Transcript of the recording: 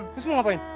terus mau ngapain